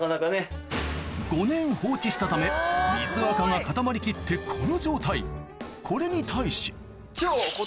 したため水アカが固まりきってこの状態これに対しお。